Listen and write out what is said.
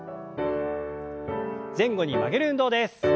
前後に曲げる運動です。